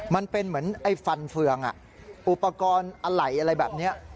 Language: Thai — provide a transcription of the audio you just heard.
มันเป็นเหมือนไอ้ฟันเฟืองอุปกรณ์อะไรแบบนี้